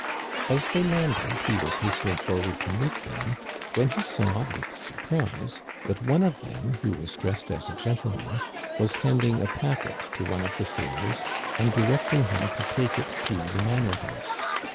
As they landed he was hastening for ward to meet them, when he saw with surprise that one of them, who was dressed as a gentleman, was handing a packet to one of the sailors and directing him to take it to the manor house.